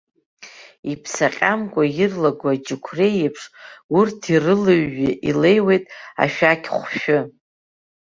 Иԥсаҟьамкәа ирлаго аџьықәреи еиԥш, урҭ ирылыҩҩы илеиуеит ашәақьхәшәы.